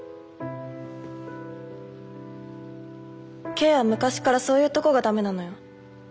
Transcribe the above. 京は昔からそういうとこがダメなのよ。